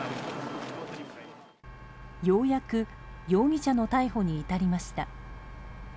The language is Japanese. ようやく容疑者の逮捕に至りました。